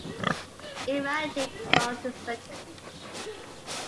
Imagic was the second.